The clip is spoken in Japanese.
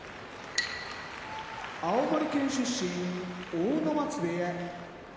青森県出身阿武松部屋